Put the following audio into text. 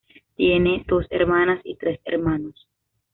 Tiene dos hermanas y tres hermanos.